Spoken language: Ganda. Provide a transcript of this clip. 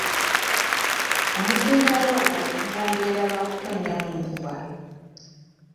Omuzindaalo ogwo guvumbeera lwa kutonnyamu nkuba.